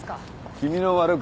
君の悪口。